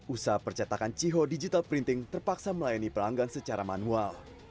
usaha percetakan ciho digital printing terpaksa melayani pelanggan secara manual